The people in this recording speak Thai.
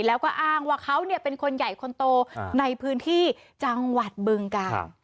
แล้วก็อ้างว่าเขาเป็นคนใหญ่คนโตในพื้นที่จังหวัดบึงกาล